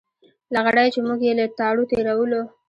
لغړی چې موږ یې له تاڼو تېرولو.